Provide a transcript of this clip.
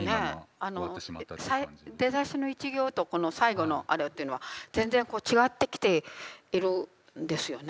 出だしの１行とこの最後のあれというのは全然こう違ってきているんですよね。